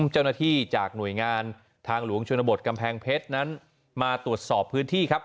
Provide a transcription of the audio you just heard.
เจ้าหน้าที่จากหน่วยงานทางหลวงชนบทกำแพงเพชรนั้นมาตรวจสอบพื้นที่ครับ